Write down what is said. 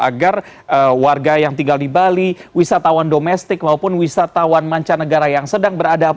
agar warga yang tinggal di bali wisatawan domestik maupun wisatawan mancanegara yang sedang berada